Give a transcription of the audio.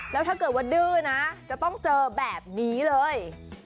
แล้วถ้าเกิดว่าดื้อนะจะต้องเจอแบบนี้เลย